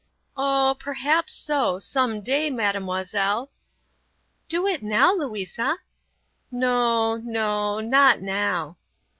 "Oh, perhaps so, some day, mademoiselle." "Do it now, Louisa." "No, no; not now."